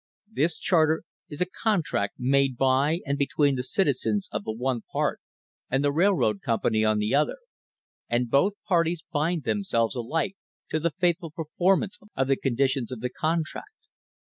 This charter is a contract made by and between the citizens of the one THE HISTORY OF THE STANDARD OIL COMPANY part and the railroad company on the other, and both parties bind themselves alike to the faithful performance of the conditions of the contract.